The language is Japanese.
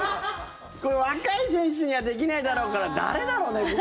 これ、若い選手にはできないだろうから誰だろうね。